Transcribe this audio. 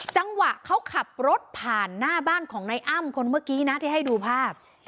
จังหวะเขาขับรถผ่านหน้าบ้านของนายอ้ำคนเมื่อกี้นะที่ให้ดูภาพ